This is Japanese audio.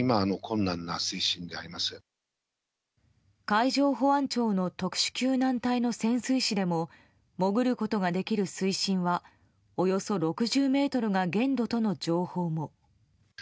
海上保安庁の特殊救難隊の潜水士でも潜ることができる水深はおよそ６０ｍが限度との情報も。